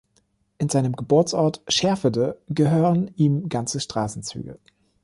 In seinem Geburtsort Scherfede gehören ihm ganze Straßenzüge.